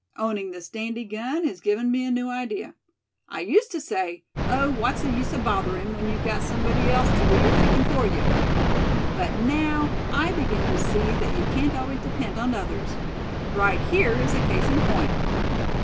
Owning this dandy gun has given me a new idea. I used to say 'oh! what's the use of bothering, when you've got somebody else to do your thinking for you?' But now I begin to see that you can't always depend on others. Right here is a case in point."